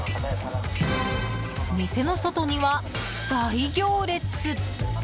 店の外には、大行列。